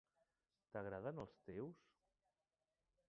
T'agraden els teus.?